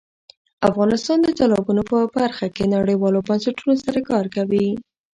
افغانستان د تالابونه په برخه کې نړیوالو بنسټونو سره کار کوي.